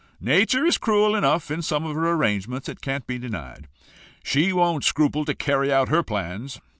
Nature is cruel enough in some of her arrangements, it can't be denied. She don't scruple to carry out her plans.